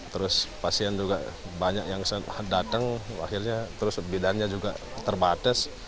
terus pasien juga banyak yang datang akhirnya terus bidannya juga terbatas